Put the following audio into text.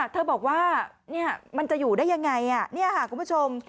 เธอบอกว่ามันจะอยู่ได้ยังไงนี่ค่ะคุณผู้ชม